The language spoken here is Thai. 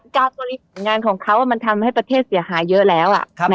การบริหารงานของเขามันทำให้ประเทศเสียหายเยอะแล้ว